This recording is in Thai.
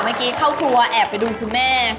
เมื่อกี้เข้าครัวแอบไปดูคุณแม่